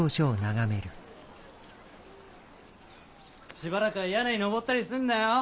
しばらくは屋根に登ったりすんなよ。